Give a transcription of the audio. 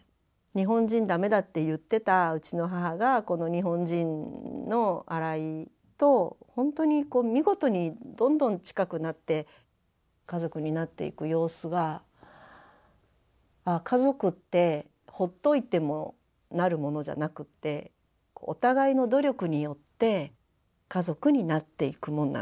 日本人ダメだって言ってたうちの母がこの日本人の荒井と本当に見事にどんどん近くなって家族になっていく様子が家族ってほっといてもなるものじゃなくてお互いの努力によって家族になっていくもんなんだなって。